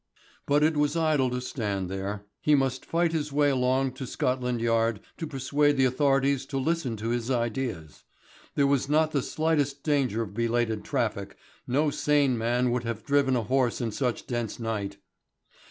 But it was idle to stand there. He must fight his way along to Scotland Yard to persuade the authorities to listen to his ideas. There was not the slightest danger of belated traffic, no sane man would have driven a horse in such dense night.